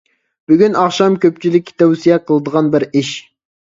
بۈگۈن ئاخشام كۆپچىلىككە تەۋسىيە قىلىدىغان بىر ئىش.